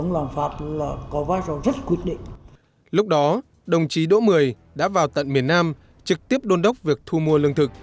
lúc đó đồng chí đỗ mười đã vào tận miền nam trực tiếp đôn đốc việc thu mua lương thực